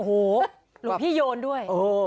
โอ้โหหลวงพี่โยนด้วย